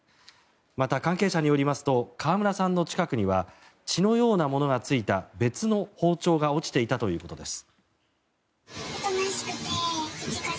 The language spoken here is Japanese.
また、関係者によりますと川村さんの近くには血のようなものがついた別の包丁が落ちていたということです。